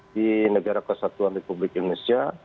di negara kesatuan republik indonesia